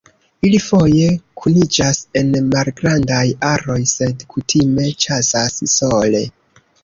Ili foje kuniĝas en malgrandaj aroj sed kutime ĉasas sole.